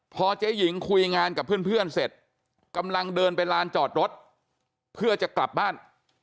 พอเจ๊หญิงคุยงานกับเพื่อนเสร็จกำลังเดินไปลานจอดรถเพื่อจะกลับบ้าน